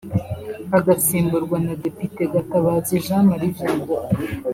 agasimburwa na Depite Gatabazi Jean Marie Vianney